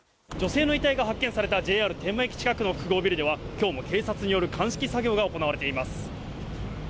女性の遺体が発見されたＪＲ天満駅近くの複合ビルでは、きょうも警察の鑑識作業が行われています。